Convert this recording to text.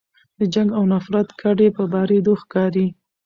د جنګ او نفرت کډې په بارېدو ښکاري